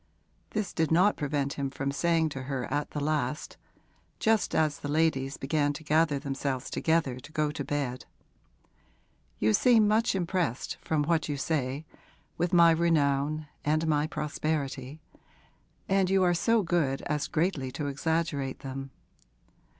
This did not prevent him from saying to her at the last, just as the ladies began to gather themselves together to go to bed: 'You seem much impressed, from what you say, with my renown and my prosperity, and you are so good as greatly to exaggerate them.